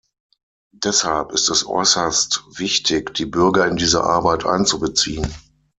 Deshalb ist es äußerst wichtig, die Bürger in diese Arbeit einzubeziehen.